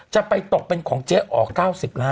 จะไปตกเป็นของเจ๊อ๋อ๙๐ล้าน